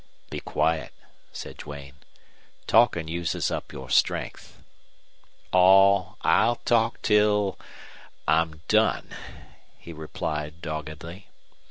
"Be quiet," said Duane. "Talking uses up your strength." "Aw, I'll talk till I'm done," he replied, doggedly.